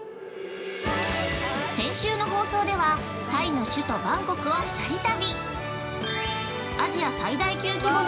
先週の放送では、タイの首都バンコクを２人旅。